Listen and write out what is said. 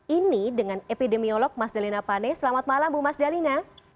ini dengan epidemiolog mas dalina pane selamat malam bu mas dalina